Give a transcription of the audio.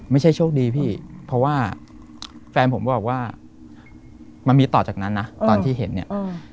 ไม่ใช่โชคดีพี่เพราะว่าแฟนผมบอกว่ามันมีต่อจากนั้นนะตอนที่เห็นเนี่ย